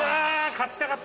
勝ちたかった。